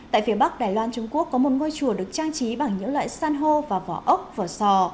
tại phía bắc đài loan trung quốc có một ngôi chùa được trang trí bằng những loại san hô và vỏ ốc vỏ sò